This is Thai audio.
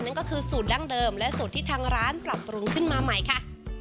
นั่นก็คือสูตรดั้งเดิมและสูตรที่ทางร้านปรับปรุงขึ้นมาใหม่ค่ะ